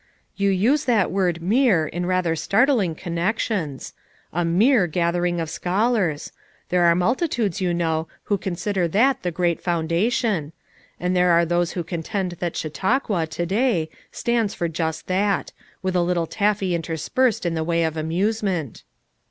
"You use that word 'mere' in rather start ling connections. A 'mere gathering of schol ars.' There are multitudes, you know, who consider that the great foundation; and there are those who contend that Chautauqua, to day, stands for just that; — with a little taffy inter spersed in the way of amusement."